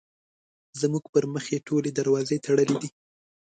زموږ پر مخ یې ټولې دروازې تړلې دي.